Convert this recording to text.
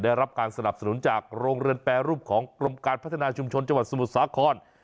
ได้รับการสนับสนุนจากโรงเรือนแปรรูปของกรมการพัฒนาชุมชนจังหวัดสมุทรสาคร